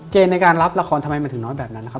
ในการรับละครทำไมมันถึงน้อยแบบนั้นนะครับ